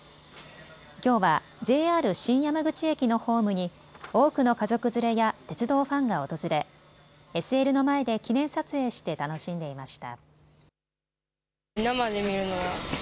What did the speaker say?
きょうはＪＲ新山口駅のホームに多くの家族連れや鉄道ファンが訪れＳＬの前で記念撮影して楽しんでいました。